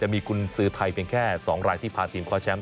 มีกุญสือไทยเพียงแค่๒รายที่พาทีมคว้าแชมป